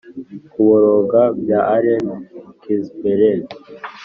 "kuboroga" by allen ginsberg